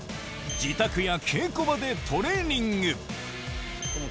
自宅や稽古場でトレーニング。